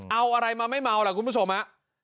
เอาอะไรมาไม่เมาล่ะคุณผู้ชมฮะ